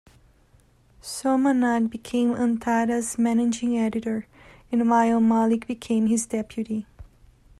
Soemanang became Antara's managing editor, and while Malik became his deputy.